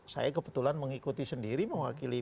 saya kebetulan mengikuti sendiri mewakili